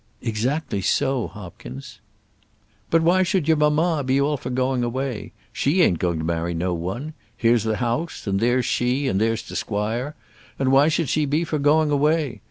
"Exactly so, Hopkins." "But why should your mamma be all for going away? She ain't going to marry no one. Here's the house, and there's she, and there's t' squire; and why should she be for going away?